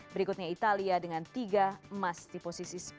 berikutnya italia dengan tiga emas di posisi sepuluh